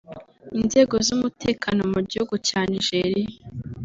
Inzego z’umutekano mu gihugu cya Nigeria